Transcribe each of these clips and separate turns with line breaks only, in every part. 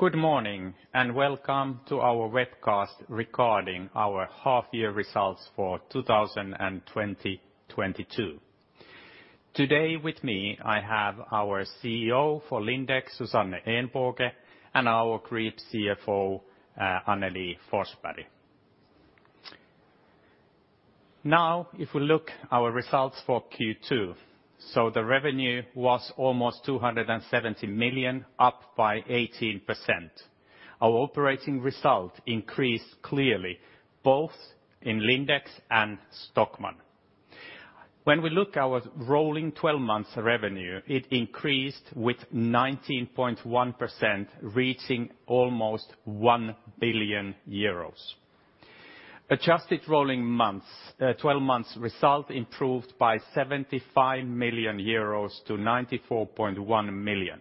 Good morning, and welcome to our webcast regarding our half year results for 2022. Today with me, I have our CEO for Lindex, Susanne Ehnbåge, and our group CFO, Annelie Forsberg. Now, if we look at our results for Q2. The revenue was almost 270 million, up by 18%. Our operating result increased clearly, both in Lindex and Stockmann. When we look at our rolling twelve months revenue, it increased with 19.1%, reaching almost 1 billion euros. Adjusted rolling twelve months result improved by 75 million euros to 94.1 million.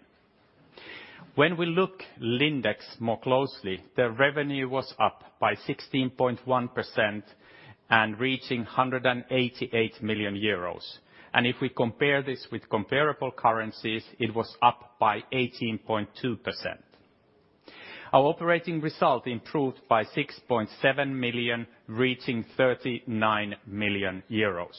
When we look at Lindex more closely, the revenue was up by 16.1% and reaching 188 million euros. If we compare this with comparable currencies, it was up by 18.2%. Our operating result improved by 6.7 million, reaching 39 million euros.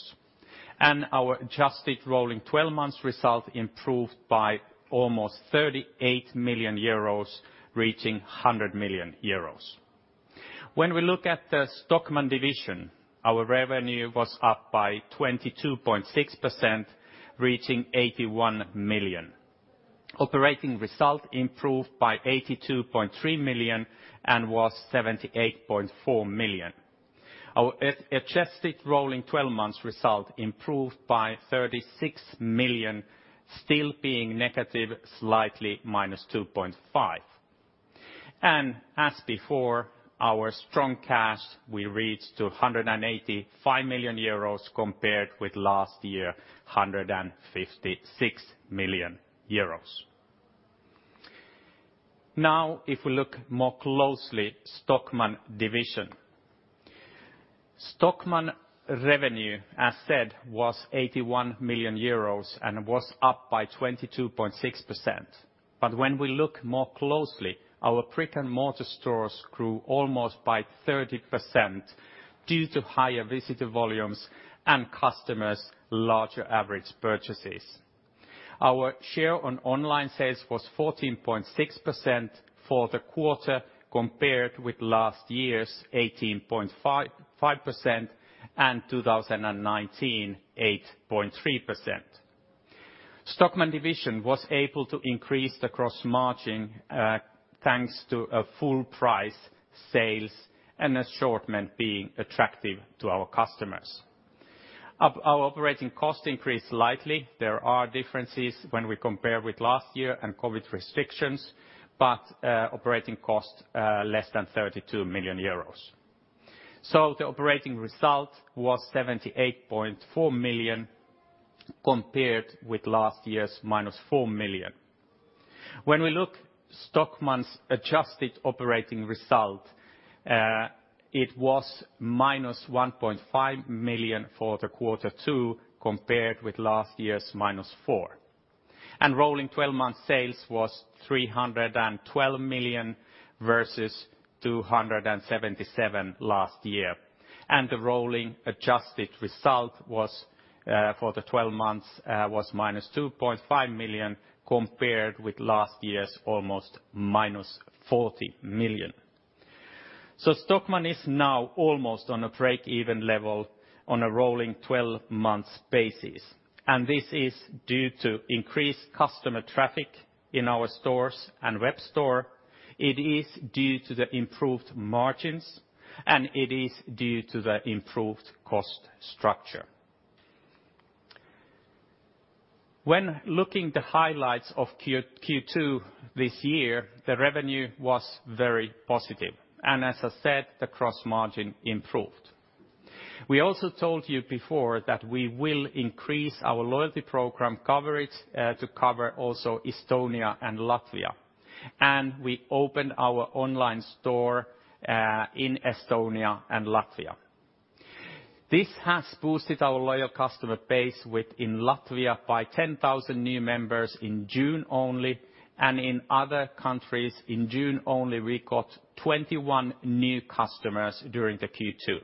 Our adjusted rolling twelve months result improved by almost 38 million euros, reaching 100 million euros. When we look at the Stockmann division, our revenue was up by 22.6%, reaching 81 million. Operating result improved by 82.3 million and was 78.4 million. Our adjusted rolling twelve months result improved by 36 million, still being negative, slightly -2.5. As before, our strong cash, we reached to 185 million euros compared with last year, 156 million euros. Now, if we look more closely Stockmann division. Stockmann revenue, as said, was 81 million euros and was up by 22.6%. When we look more closely, our brick-and-mortar stores grew almost by 30% due to higher visitor volumes and customers' larger average purchases. Our share on online sales was 14.6% for the quarter, compared with last year's 18.55%, and 2019, 8.3%. Stockmann division was able to increase the gross margin, thanks to a full price sales and assortment being attractive to our customers. Our operating cost increased slightly. There are differences when we compare with last year and COVID restrictions, but operating cost less than 32 million euros. The operating result was 78.4 million compared with last year's -4 million. When we look Stockmann's adjusted operating result, it was -1.5 million for the quarter two, compared with last year's -4 million. Rolling twelve-month sales was 312 million versus 277 million last year. The rolling adjusted result was for the twelve months was -2.5 million, compared with last year's almost -40 million. Stockmann is now almost on a break-even level on a rolling twelve months basis, and this is due to increased customer traffic in our stores and web store. It is due to the improved margins, and it is due to the improved cost structure. When looking the highlights of Q2 this year, the revenue was very positive. As I said, the gross margin improved. We also told you before that we will increase our loyalty program coverage to cover also Estonia and Latvia. We opened our online store in Estonia and Latvia. This has boosted our loyal customer base with, in Latvia, by 10,000 new members in June only, and in other countries, in June only, we got 21 new customers during the Q2.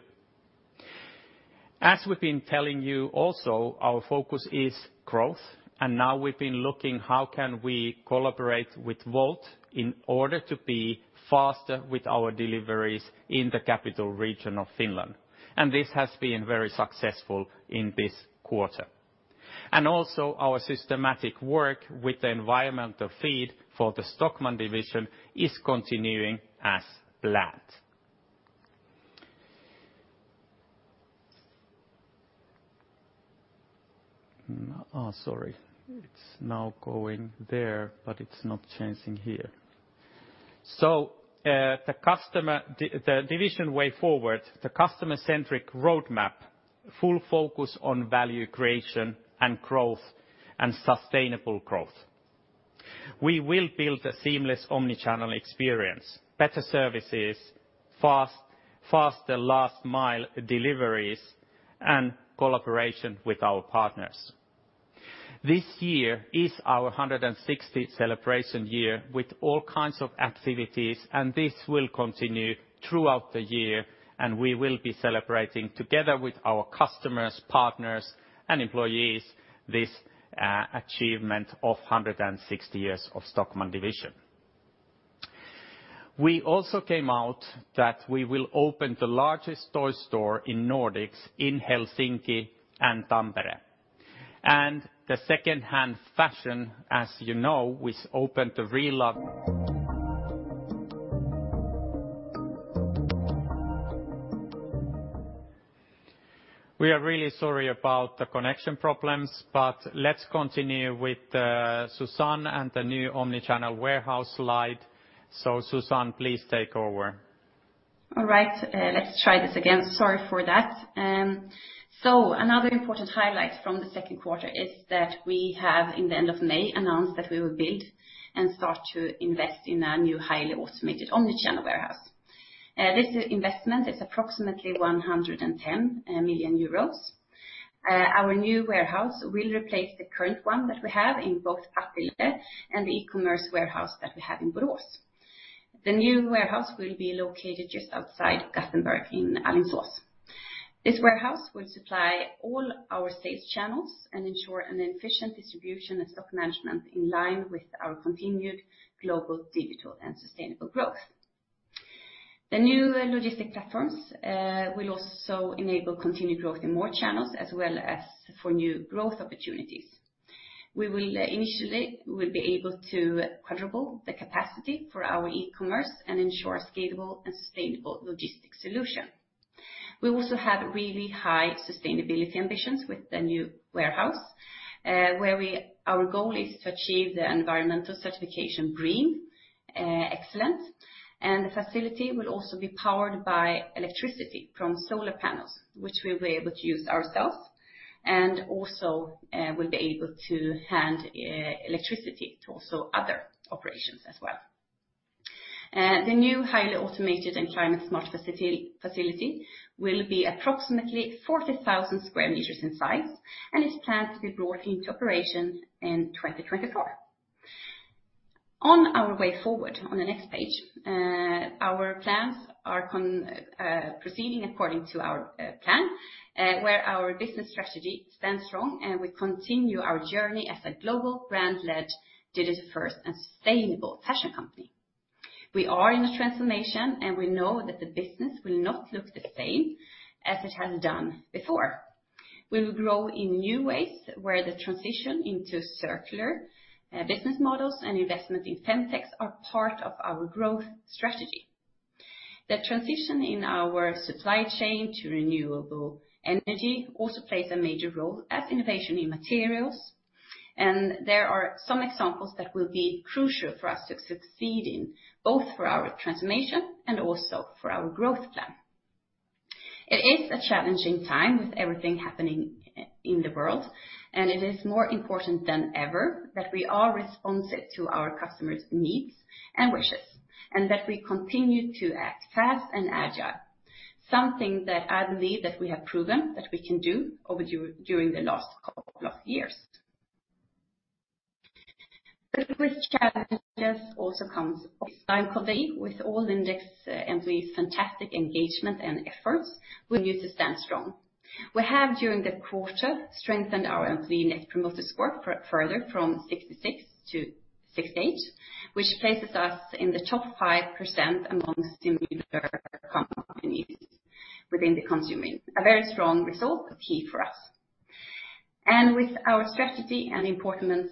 As we've been telling you also, our focus is growth, and now we've been looking how can we collaborate with Wolt in order to be faster with our deliveries in the capital region of Finland. This has been very successful in this quarter. Our systematic work with the environmental feed for the Stockmann division is continuing as planned. The division way forward, the customer-centric roadmap, full focus on value creation and growth, and sustainable growth. We will build a seamless omnichannel experience, better services, faster last mile deliveries and collaboration with our partners. This year is our 160 celebration year with all kinds of activities, and this will continue throughout the year, and we will be celebrating together with our customers, partners, and employees, this achievement of 160 years of Stockmann division. We also came out that we will open the largest toy store in Nordics in Helsinki and Tampere. The second-hand fashion, as you know, we opened the Relove. We are really sorry about the connection problems, but let's continue with Susanne and the new omnichannel warehouse slide. Susanne, please take over.
All right, let's try this again. Sorry for that. Another important highlight from the second quarter is that we have, in the end of May, announced that we will build and start to invest in a new highly automated omnichannel warehouse. This investment is approximately 110 million euros. Our new warehouse will replace the current one that we have in both Partille and the e-commerce warehouse that we have in Borås. The new warehouse will be located just outside Gothenburg in Alingsås. This warehouse will supply all our sales channels and ensure an efficient distribution and stock management in line with our continued global, digital, and sustainable growth. The new logistics platforms will also enable continued growth in more channels as well as for new growth opportunities. We will initially be able to quadruple the capacity for our e-commerce and ensure a scalable and sustainable logistics solution. We also have really high sustainability ambitions with the new warehouse, where our goal is to achieve the environmental certification Green Excellence. The facility will also be powered by electricity from solar panels, which we'll be able to use ourselves and also will be able to hand electricity to also other operations as well. The new highly automated and climate smart facility will be approximately 40,000 square meters in size, and it's planned to be brought into operations in 2024. On our way forward, on the next page, our plans are proceeding according to our plan, where our business strategy stands strong, and we continue our journey as a global brand-led, digital-first and sustainable fashion company. We are in a transformation, and we know that the business will not look the same as it has done before. We will grow in new ways where the transition into circular business models and investment in Femtech are part of our growth strategy. The transition in our supply chain to renewable energy also plays a major role as innovation in materials, and there are some examples that will be crucial for us to succeed in, both for our transformation and also for our growth plan. It is a challenging time with everything happening in the world, and it is more important than ever that we are responsive to our customers' needs and wishes and that we continue to act fast and agile. Something that I believe that we have proven that we can do during the last couple of years. With challenges also comes opportunity with all Lindex employees' fantastic engagement and efforts continue to stand strong. We have, during the quarter, strengthened our employee Net Promoter Score further from 66-68, which places us in the top 5% among similar companies within the consumer. A very strong result key for us. With our strategy and important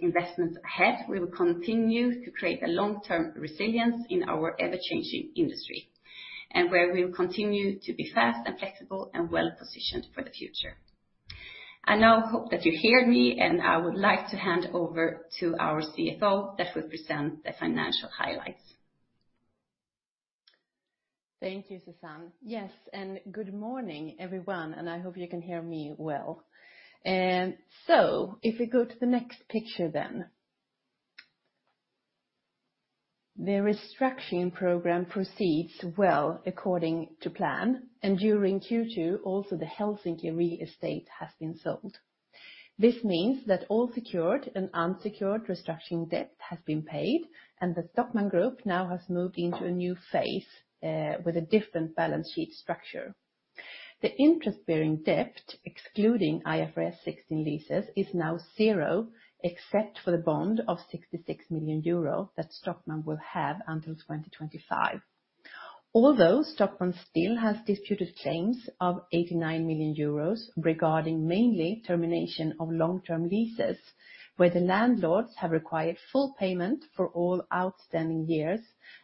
investments ahead, we will continue to create a long-term resilience in our ever-changing industry, and where we will continue to be fast and flexible and well-positioned for the future. I now hope that you hear me, and I would like to hand over to our CFO that will present the financial highlights.
Thank you, Susanne. Yes, good morning, everyone, and I hope you can hear me well. If we go to the next picture then. The restructuring program proceeds well according to plan, and during Q2, also the Helsinki real estate has been sold. This means that all secured and unsecured restructuring debt has been paid, and the Stockmann Group now has moved into a new phase, with a different balance sheet structure. The interest-bearing debt, excluding IFRS 16 leases, is now zero, except for the bond of 66 million euro that Stockmann will have until 2025. Although Stockmann still has disputed claims of 89 million euros regarding mainly termination of long-term leases, where the landlords have required full payment for all outstanding years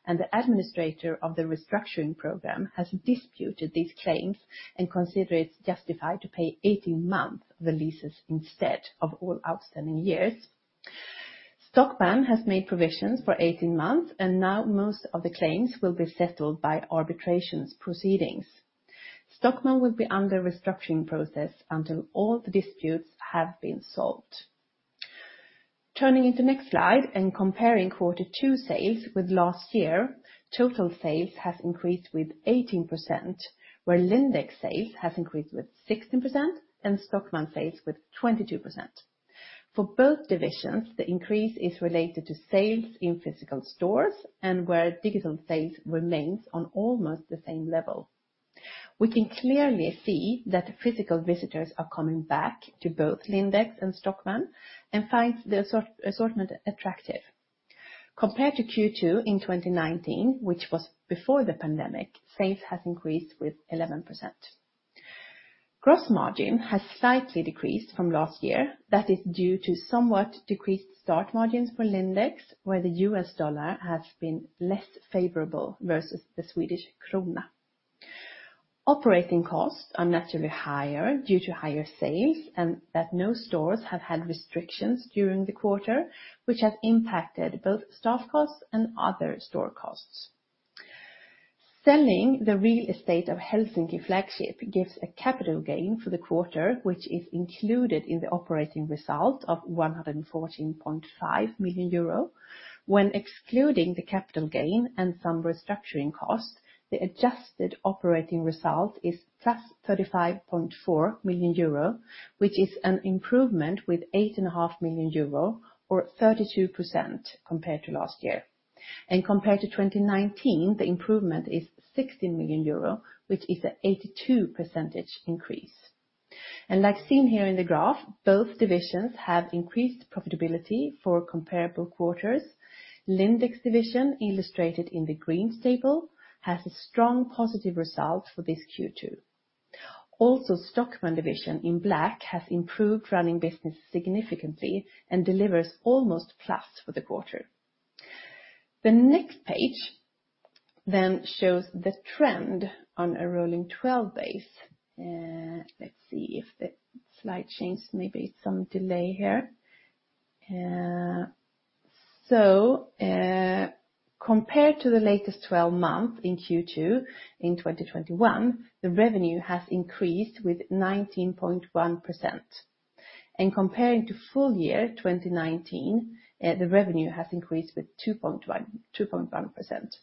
and the administrator of the restructuring program has disputed these claims and consider it justified to pay 18 months the leases instead of all outstanding years. Stockmann has made provisions for 18 months, and now most of the claims will be settled by arbitration proceedings. Stockmann will be under restructuring process until all the disputes have been solved. Turning to next slide and comparing quarter two sales with last year, total sales has increased with 18%, where Lindex sales has increased with 16% and Stockmann sales with 22%. For both divisions, the increase is related to sales in physical stores and where digital sales remains on almost the same level. We can clearly see that physical visitors are coming back to both Lindex and Stockmann and finds the assortment attractive. Compared to Q2 in 2019, which was before the pandemic, sales has increased with 11%. Gross margin has slightly decreased from last year. That is due to somewhat decreased start margins for Lindex, where the US dollar has been less favorable versus the Swedish krona. Operating costs are naturally higher due to higher sales, and that no stores have had restrictions during the quarter, which has impacted both staff costs and other store costs. Selling the real estate of Helsinki flagship gives a capital gain for the quarter, which is included in the operating result of 114.5 million euro. When excluding the capital gain and some restructuring costs, the adjusted operating result is 35.4 million euro, which is an improvement with 8.5 million euro or 32% compared to last year. Compared to 2019, the improvement is 60 million euro, which is an 82% increase. As seen here in the graph, both divisions have increased profitability for comparable quarters. Lindex division, illustrated in the green table, has a strong positive result for this Q2. Also, Stockmann division, in black, has improved running business significantly and delivers almost plus for the quarter. The next page then shows the trend on a rolling twelve basis. Let's see if the slide changes, maybe some delay here. So, compared to the latest twelve month in Q2 in 2021, the revenue has increased with 19.1%. Comparing to full year 2019, the revenue has increased with 2.1, 2.1%.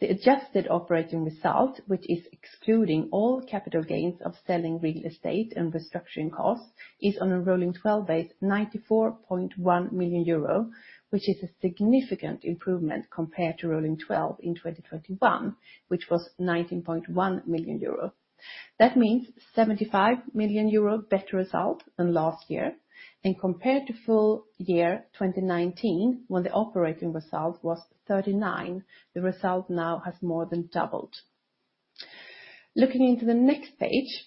The adjusted operating result, which is excluding all capital gains of selling real estate and restructuring costs, is on a rolling twelve base, 94.1 million euro, which is a significant improvement compared to rolling twelve in 2021, which was 19.1 million euro. That means 75 million euro better result than last year. Compared to full year 2019, when the operating result was 39 million, the result now has more than doubled. Looking into the next page,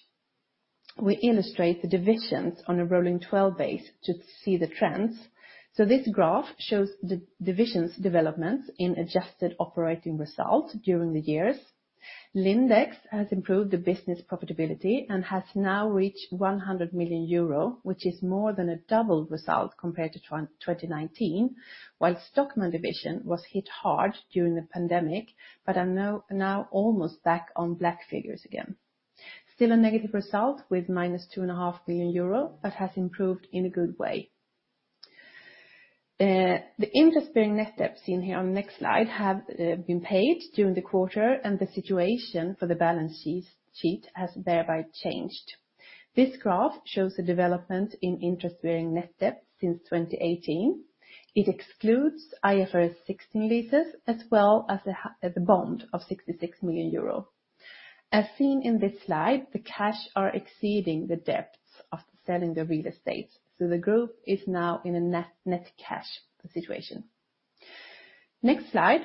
we illustrate the divisions on a rolling twelve base to see the trends. This graph shows the divisions developments in adjusted operating results during the years. Lindex has improved the business profitability and has now reached 100 million euro, which is more than a doubled result compared to 2019. While Stockmann division was hit hard during the pandemic, but are now almost back in the black again. Still a negative result with -2.5 million euro, but has improved in a good way. The interest-bearing net debt seen here on the next slide have been paid during the quarter and the situation for the balance sheet has thereby changed. This graph shows the development in interest-bearing net debt since 2018. It excludes IFRS 16 leases, as well as the bond of 66 million euro. As seen in this slide, the cash are exceeding the debts after selling the real estate, so the group is now in a net cash situation. Next slide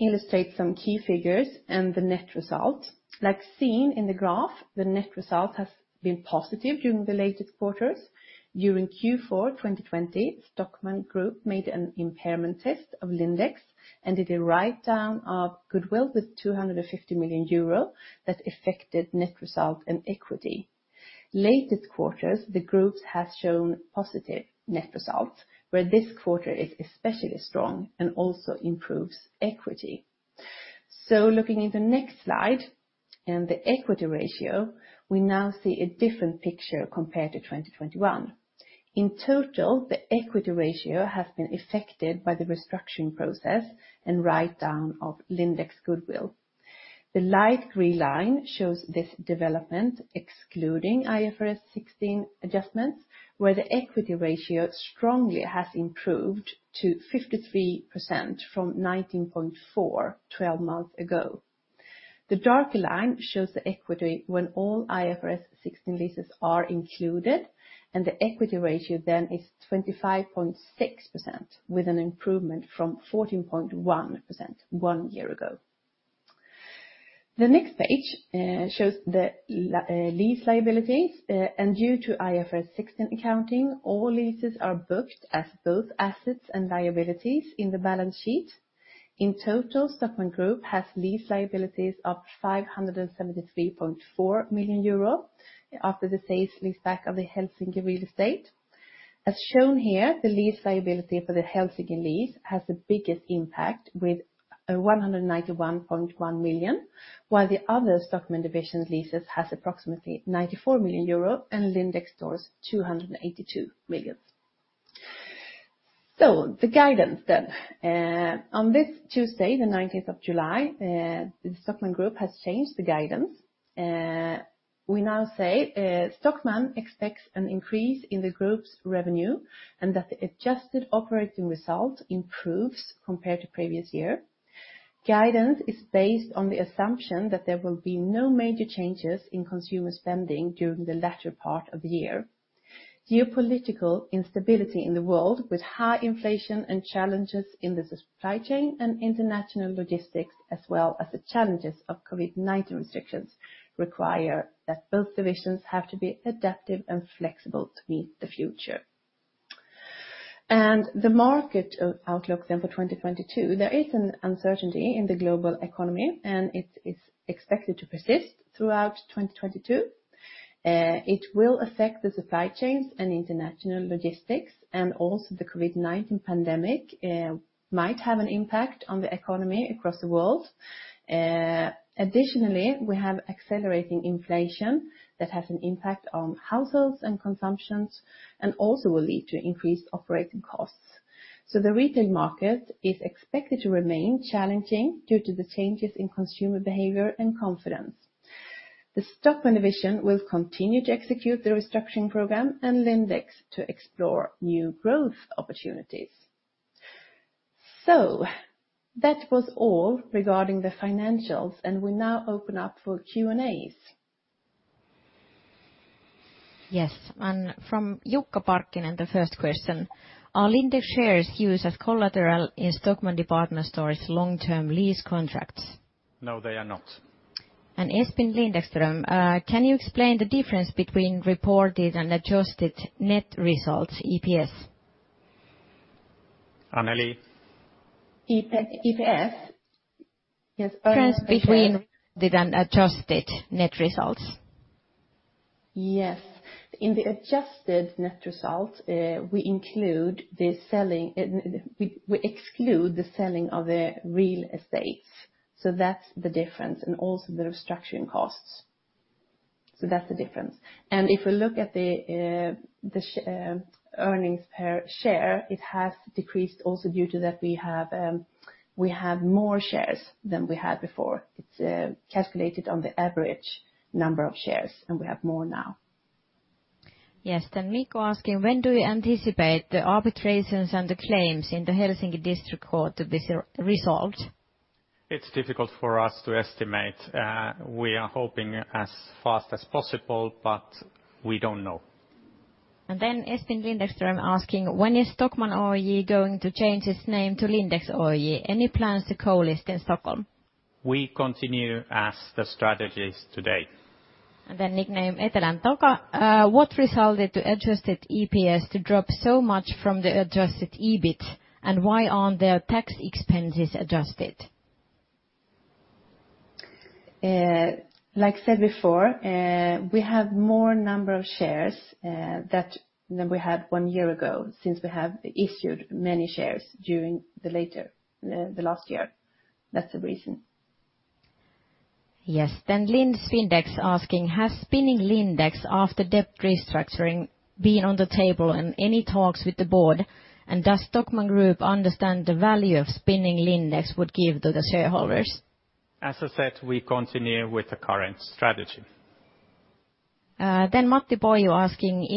illustrates some key figures and the net result. Like seen in the graph, the net result has been positive during the latest quarters. During Q4 2020, Stockmann Group made an impairment test of Lindex and did a write-down of goodwill with 250 million euro that affected net result and equity. Latest quarters, the groups have shown positive net results, where this quarter is especially strong and also improves equity. Looking in the next slide in the equity ratio, we now see a different picture compared to 2021. In total, the equity ratio has been affected by the restructuring process and write-down of Lindex goodwill. The light green line shows this development excluding IFRS 16 adjustments, where the equity ratio strongly has improved to 53% from 19.4% twelve months ago. The dark line shows the equity when all IFRS 16 leases are included, and the equity ratio then is 25.6%, with an improvement from 14.1% one year ago. The next page shows the lease liabilities, and due to IFRS 16 accounting, all leases are booked as both assets and liabilities in the balance sheet. In total, Lindex Group has lease liabilities of 573.4 million euro after the sale-leaseback of the Helsinki real estate. As shown here, the lease liability for the Helsinki lease has the biggest impact with 191.1 million, while the other Stockmann division leases has approximately 94 million euro and Lindex stores 282 million. The guidance then. On this Tuesday, the nineteenth of July, the Lindex Group has changed the guidance. We now say Stockmann expects an increase in the group's revenue and that the adjusted operating result improves compared to previous year. Guidance is based on the assumption that there will be no major changes in consumer spending during the latter part of the year. Geopolitical instability in the world with high inflation and challenges in the supply chain and international logistics, as well as the challenges of COVID-19 restrictions, require that both divisions have to be adaptive and flexible to meet the future. The market outlook then for 2022, there is an uncertainty in the global economy, and it is expected to persist throughout 2022. It will affect the supply chains and international logistics, and also the COVID-19 pandemic might have an impact on the economy across the world. Additionally, we have accelerating inflation that has an impact on households and consumption and also will lead to increased operating costs. The retail market is expected to remain challenging due to the changes in consumer behavior and confidence. The Stockmann division will continue to execute the restructuring program and Lindex to explore new growth opportunities. That was all regarding the financials, and we now open up for Q&As.
Yes, from Jukka Parkkinen, the first question: Are Lindex shares used as collateral in Stockmann department store's long-term lease contracts?
No, they are not.
Espen Lindström, can you explain the difference between reported and adjusted net results EPS?
Annelie?
EPS? Yes. Earnings per share.
Difference between reported and adjusted net results.
Yes. In the adjusted net results, we exclude the selling of the real estates. That's the difference, and also the restructuring costs. That's the difference. If we look at the earnings per share, it has decreased also due to that we have more shares than we had before. It's calculated on the average number of shares, and we have more now.
Yes. Mikko asking, when do you anticipate the arbitrations and the claims in the Helsinki District Court to be resolved?
It's difficult for us to estimate. We are hoping as fast as possible, but we don't know.
Espen Lindström asking, when is Stockmann Oyj going to change its name to Lindex Group Oyj? Any plans to co-list in Stockholm?
We continue as the strategy is today.
What resulted in adjusted EPS to drop so much from the adjusted EBIT? Why aren't the tax expenses adjusted?
Like I said before, we have more number of shares than we had one year ago since we have issued many shares during the latter, the last year. That's the reason.
Yes. LindexFindex asking, has spinning off Lindex after debt restructuring been on the table and any talks with the board, and does Stockmann Group understand the value of spinning off Lindex would give to the shareholders?
As I said, we continue with the current strategy.
Matti Poijo asking,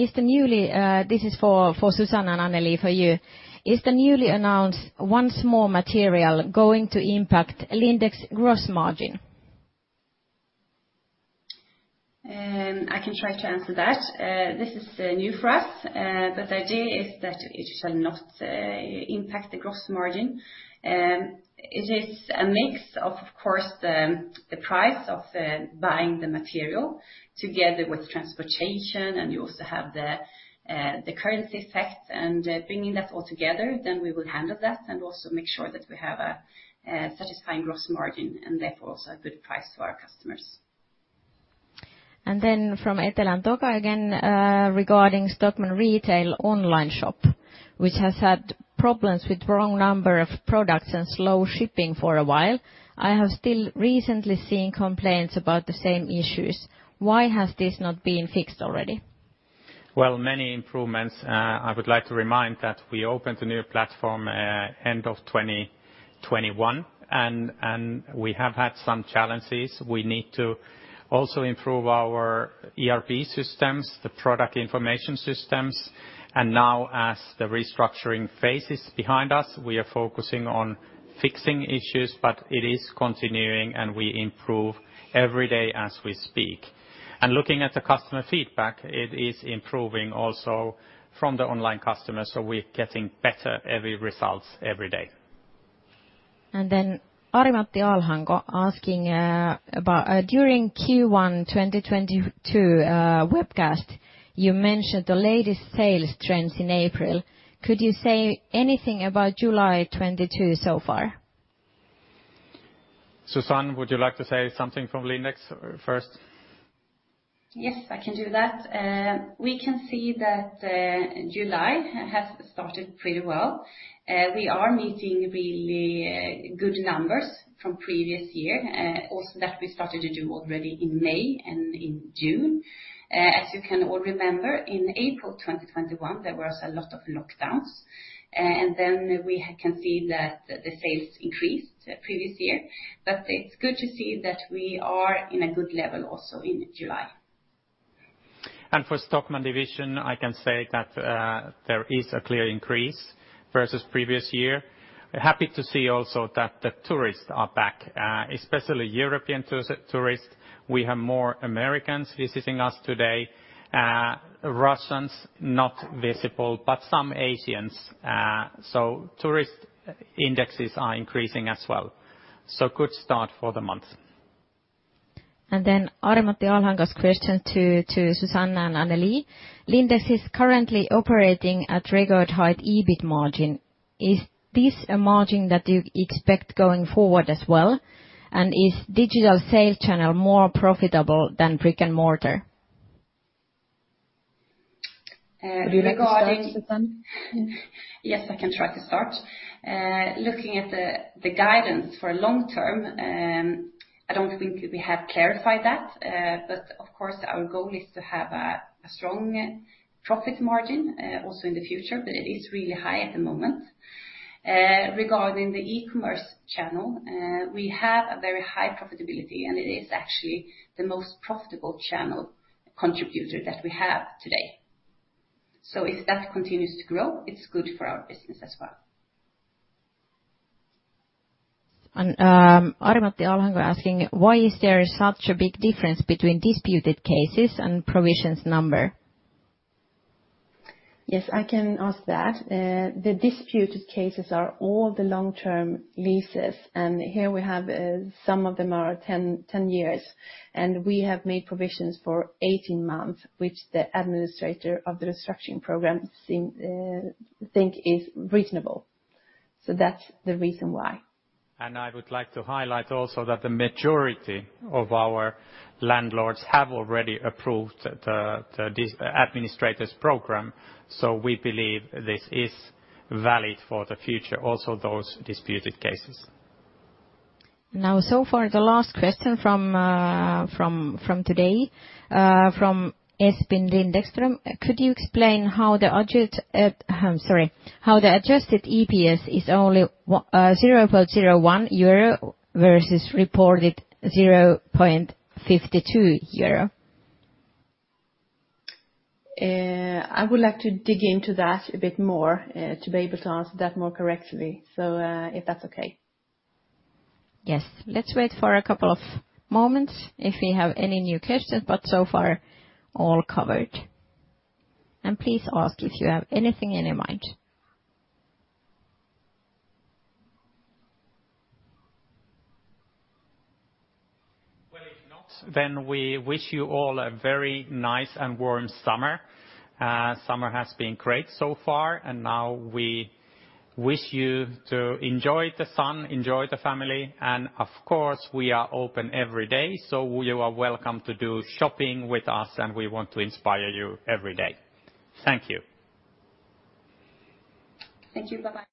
this is for Susanne and Annelie, for you. Is the newly announced OnceMore material going to impact Lindex's gross margin?
I can try to answer that. This is new for us. The idea is that it shall not impact the gross margin. It is a mix of course, the price of buying the material together with transportation, and you also have the currency effect. Bringing that all together, then we will handle that and also make sure that we have a satisfying gross margin and therefore also a good price for our customers.
From Eteläntaka again, regarding Stockmann retail online shop, which has had problems with wrong number of products and slow shipping for a while, I have still recently seen complaints about the same issues. Why has this not been fixed already?
Well, many improvements. I would like to remind that we opened a new platform end of 2021 and we have had some challenges. We need to also improve our ERP systems, the product information systems. Now, as the restructuring phase is behind us, we are focusing on fixing issues, but it is continuing, and we improve every day as we speak. Looking at the customer feedback, it is improving also from the online customers, so we're getting better results every day.
Ari-Matti Ahlankko asking about during Q1 2022 webcast, you mentioned the latest sales trends in April. Could you say anything about July 2022 so far?
Susanne, would you like to say something from Lindex first?
Yes, I can do that. We can see that July has started pretty well. We are meeting really good numbers from previous year, also that we started to do already in May and in June. As you can all remember, in April 2021, there was a lot of lockdowns, and then we can see that the sales increased previous year. It's good to see that we are in a good level also in July.
For Stockmann division, I can say that, there is a clear increase versus previous year. Happy to see also that the tourists are back, especially European tourists. We have more Americans visiting us today. Russians, not visible, but some Asians. Tourist indexes are increasing as well. Good start for the month.
Ari-Matti Ahlankko's question to Susanne and Annelie. Lindex is currently operating at record high EBIT margin. Is this a margin that you expect going forward as well? Is digital sales channel more profitable than brick and mortar?
Uh, regarding-
Would you like to start, Susanne?
Yes, I can try to start. Looking at the guidance for long term, I don't think we have clarified that, but of course, our goal is to have a strong profit margin, also in the future, but it is really high at the moment. Regarding the e-commerce channel, we have a very high profitability, and it is actually the most profitable channel contributor that we have today. If that continues to grow, it's good for our business as well.
Ari-Matti Ahlankko asking: Why is there such a big difference between disputed cases and provisions number?
Yes, I can ask that. The disputed cases are all the long-term leases, and here we have some of them are 10 years, and we have made provisions for 18 months, which the administrator of the restructuring program seem think is reasonable. That's the reason why.
I would like to highlight also that the majority of our landlords have already approved this administrator's program. We believe this is valid for the future, also those disputed cases.
Now, so far, the last question from today from Espen Lindström. Could you explain how the adjusted EPS is only 0.01 euro versus reported 0.52 euro?
I would like to dig into that a bit more, to be able to answer that more correctly. If that's okay.
Yes. Let's wait for a couple of moments if we have any new questions, but so far, all covered. Please ask if you have anything in your mind.
Well, if not, then we wish you all a very nice and warm summer. Summer has been great so far, and now we wish you to enjoy the sun, enjoy the family, and of course, we are open every day. You are welcome to do shopping with us, and we want to inspire you every day. Thank you.
Thank you. Bye-bye.